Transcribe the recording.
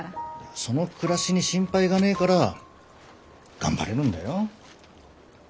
その暮らしに心配がねえから頑張れるんだよ。